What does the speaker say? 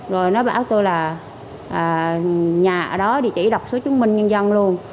rồi nó báo tôi là nhà ở đó địa chỉ đọc số chứng minh nhân dân luôn